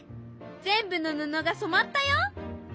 全部の布がそまったよ。